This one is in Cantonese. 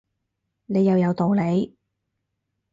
你又有道理